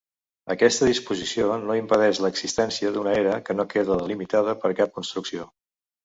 Aquesta disposició no impedeix l'existència d'una era, que no queda delimitada per cap construcció.